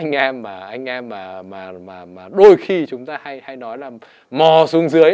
nên là anh em mà đôi khi chúng ta hay nói là mò xuống dưới